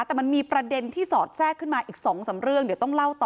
แต่มันมีประเด็นที่สอดแทรกขึ้นมาอีก๒๓เรื่องเดี๋ยวต้องเล่าต่อ